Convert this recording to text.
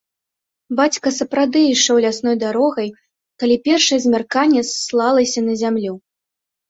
Бацька сапраўды ішоў лясной дарогай, калі першае змярканне слалася на зямлю.